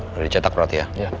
udah dicetak berarti ya